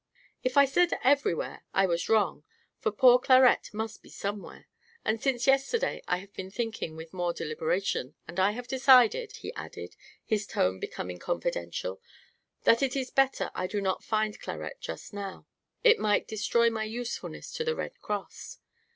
"If I said everywhere, I was wrong, for poor Clarette must be somewhere. And since yesterday I have been thinking with more deliberation, and I have decided," he added, his tone becoming confidential, "that it is better I do not find Clarette just now. It might destroy my usefulness to the Red Cross."